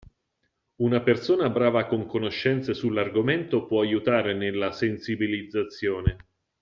Una persona brava con conoscenze sull'argomento può aiutare nella sensibilizzazione.